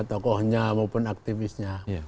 tokohnya maupun aktivisnya